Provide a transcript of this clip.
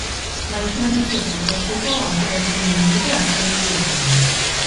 Maisu anitzez gozatzeko aukera eskaini digute azken hiru egunek.